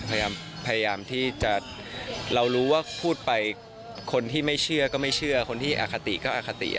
พยายามที่จะเรารู้ว่าพูดไปคนที่ไม่เชื่อก็ไม่เชื่อคนที่อคติก็อคติ